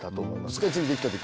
スカイツリーできた時？